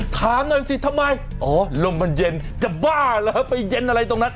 ถามหน่อยสิทำไมอ๋อลมมันเย็นจะบ้าเหรอไปเย็นอะไรตรงนั้น